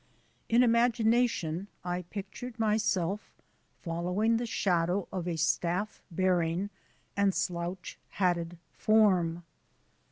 In imagination I pictured myself following the shadow of a staff bearing and slouch hatted form.